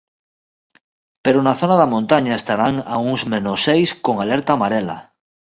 Pero na zona da montaña estarán a uns menos seis con alerta amarela.